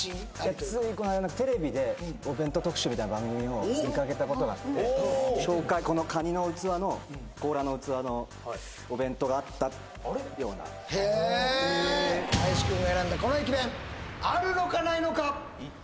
ついこないだテレビでお弁当特集みたいな番組を見かけたことがあってこのかにの器の甲羅の器のお弁当があったようなへえ林くんが選んだこの駅弁あるのかないのかいった！